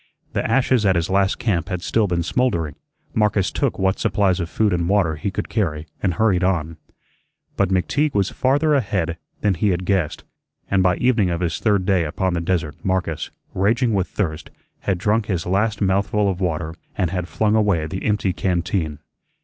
The ashes at his last camp had still been smoldering. Marcus took what supplies of food and water he could carry, and hurried on. But McTeague was farther ahead than he had guessed, and by evening of his third day upon the desert Marcus, raging with thirst, had drunk his last mouthful of water and had flung away the empty canteen.